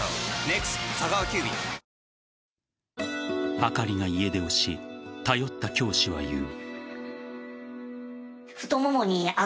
あかりが家出をし頼った教師は言う。